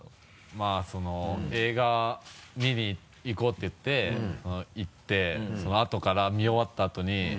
まぁその映画見に行こうって言って行ってその後から見終わった後に。